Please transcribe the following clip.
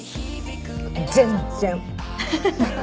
全然！